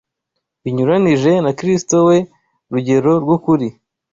binyuranije na Kristo we rugero rw’ukuri.